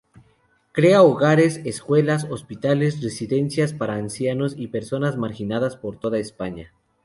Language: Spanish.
Crea hogares, escuelas, hospitales, residencias para ancianos y personas marginadas por toda España.